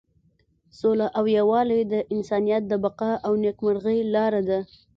سوله او یووالی د انسانیت د بقا او نیکمرغۍ لاره ده.